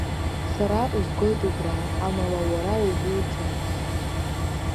Сара узгоит убра, амала уара угәы уҽаныз…